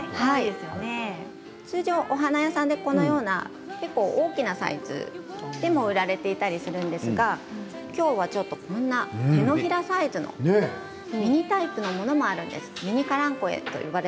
通常、お花屋さんで結構このような大きなサイズでも売られていたりするんですが今日は、こんな手のひらサイズのミニタイプのものもあるんです。